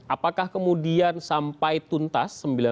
apakah kemudian sampai tuntas